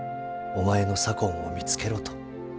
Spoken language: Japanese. お前の左近を見つけろ」と。